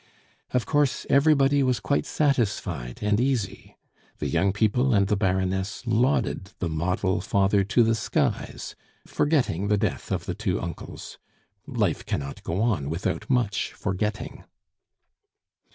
Of course, everybody was quite satisfied and easy. The young people and the Baroness lauded the model father to the skies, forgetting the death of the two uncles. Life cannot go on without much forgetting!